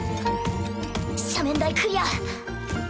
斜面台クリア。